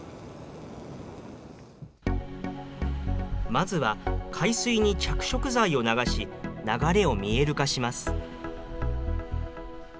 まずは海水に着色剤を流し、流れを見える化します。